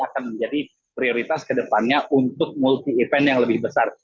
akan menjadi prioritas kedepannya untuk multi event yang lebih besar